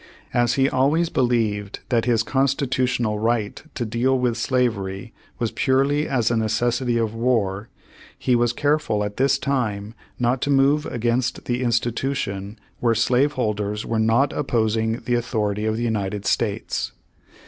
As he always believed that his Constitutional right to deal with slavery was purely as a necessity of war, he was careful at this time not to move against the institution where slave holders were not opposing the authority of the United States.